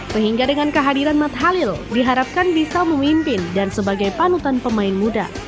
sehingga dengan kehadiran matt halil diharapkan bisa memimpin dan sebagai panutan pemain muda